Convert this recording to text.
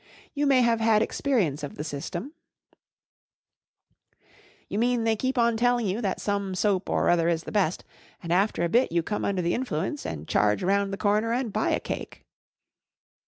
You may have had experience of flie system ?"" You mean they keep on telling you that some soap or other is the best, and alter a bit you come under the influence and charge round the corner and buy a cake